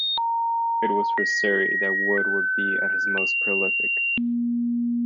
It was for Surrey that Wood would be at his most prolific.